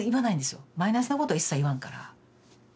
マイナスなことは一切言わんから。